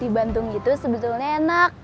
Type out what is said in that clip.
di bantung itu sebetulnya enak